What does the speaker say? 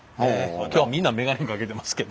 今日みんなメガネかけてますけど。